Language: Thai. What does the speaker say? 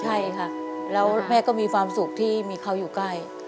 ใช่ค่ะแล้วแม่ก็มีความสุขที่มีเขาอยู่ใกล้